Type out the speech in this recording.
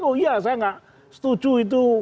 oh iya saya nggak setuju itu